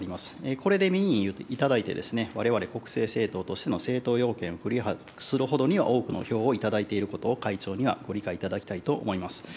これで民意頂いて、われわれ国政政党としての政党要件をクリアするほどには多くの票を頂いていることを、会長にはご理解いただきたいと思います。